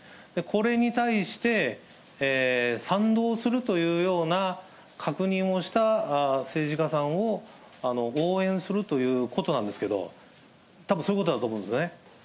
これに対して、賛同するというような確認をした政治家さんを応援するということなんですけど、たぶんそういうことだと思うんですね。